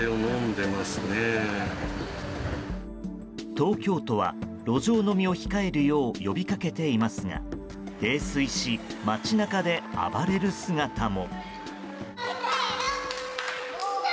東京都は路上飲みを控えるよう呼びかけていますが泥酔し、街中で暴れる姿も。